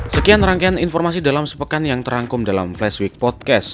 sekian rangkaian informasi dalam sepekan yang terangkum dalam flash week podcast